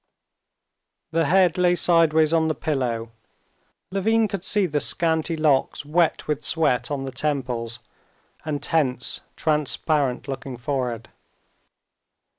The head lay sideways on the pillow. Levin could see the scanty locks wet with sweat on the temples and tense, transparent looking forehead.